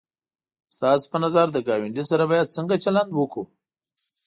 ستاسو په نظر له گاونډي سره باید څنگه چلند وکړو؟